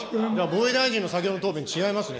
防衛大臣の先ほどの答弁、違いますね。